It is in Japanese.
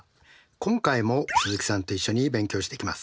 今回も鈴木さんと一緒に勉強していきます。